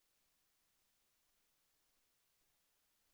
แสวได้ไงของเราก็เชียนนักอยู่ค่ะเป็นผู้ร่วมงานที่ดีมาก